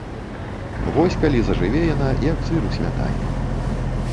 Вось калі зажыве яна, як сыр у смятане!